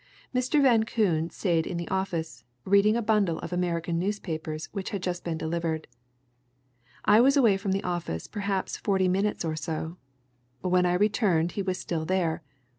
Mr. Van Koon stayed in the office, reading a bundle of American newspapers which had just been delivered. I was away from the office perhaps forty minutes or so; when I returned he was still there.